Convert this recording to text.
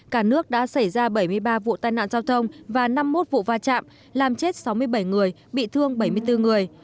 cả nước đã xảy ra bảy mươi ba vụ tai nạn giao thông và năm mươi một vụ va chạm làm chết sáu mươi bảy người bị thương bảy mươi bốn người